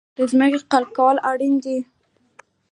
د ځمکې قلبه کول اړین دي.